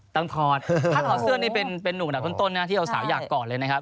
ต้องถอดถ้าถอดเสื้อนี่เป็นหนูแบบต้นที่เอาสาวอยากกอดเลยนะครับ